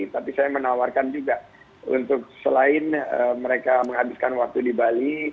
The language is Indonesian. tapi saya menawarkan juga untuk selain mereka menghabiskan waktu di bali